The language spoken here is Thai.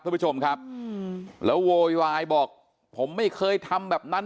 ท่านผู้ชมครับแล้วโวยวายบอกผมไม่เคยทำแบบนั้น